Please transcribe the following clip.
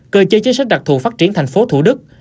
cơ chế chính sách đặc thù phát triển tp thủ đức